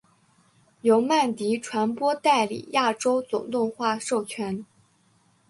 由曼迪传播代理亚洲总动画授权。